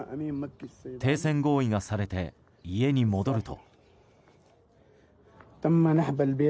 停戦合意がされて家に戻ると。